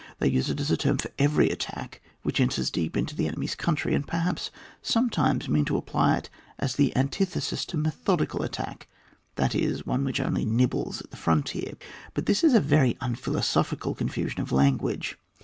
They use it as a term for every attack which enters deep into the enemy's coun try, and perhaps sometimes mean to apply it as the antithesis to methodical attack, that is, one which only nibbles at the frontier. But this is a very imphiloso phical confusion of language.